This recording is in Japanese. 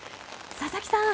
佐々木さん